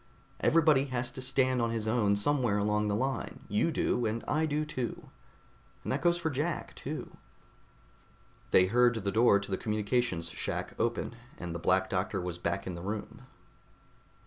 Everybody has to stand on his own somewhere along the line. You do, and I do, too. And that goes for Jack, too." They heard the door to the communications shack open, and the Black Doctor was back in the room.